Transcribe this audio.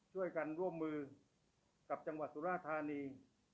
ร่วมกันร่วมมือกับจังหวัดสุราธานี